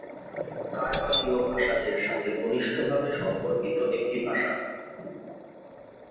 কাবার্দীয় ভাষা এর সাথে ঘনিষ্ঠভাবে সম্পর্কিত একটি ভাষা।